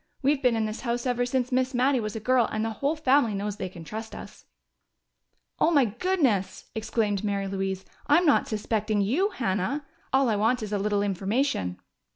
We've been in this house ever since Miss Mattie was a girl, and the whole family knows they can trust us." "Oh, my goodness!" exclaimed Mary Louise. "I'm not suspecting you, Hannah! All I want is a little information."